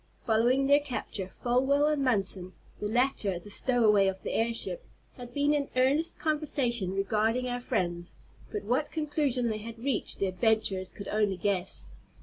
Following their capture, Folwell and Munson, the latter the stowaway of the airship, had been in earnest conversation regarding our friends, but what conclusion they had reached the adventurers could only guess.